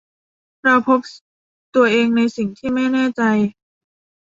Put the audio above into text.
เราพบตัวเองในสิ่งที่ไม่แน่ใจ